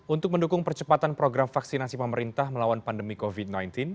untuk mendukung percepatan program vaksinasi pemerintah melawan pandemi covid sembilan belas